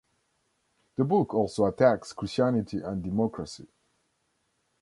The book also attacks Christianity and Democracy.